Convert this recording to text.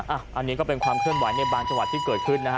อันนี้ก็เป็นความเคลื่อนไหวในบางจังหวัดที่เกิดขึ้นนะฮะ